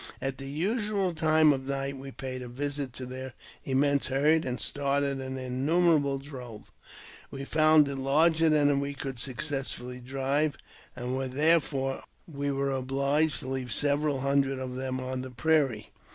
At the usual time of night we paid a visit to their immense herd, and started an innumerable drove ; we found it larger than v/e could successfully drive, and were therefore obhged to leave several hundreds of them on the prairie.